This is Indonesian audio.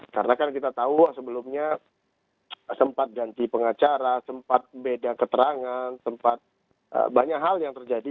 karena kan kita tahu sebelumnya sempat ganti pengacara sempat beda keterangan sempat banyak hal yang terjadi